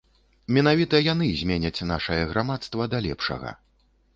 Менавіта яны зменяць нашае грамадства да лепшага.